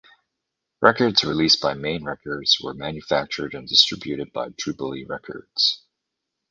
Records released by Maine Records were manufactured and distributed by Jubilee Records.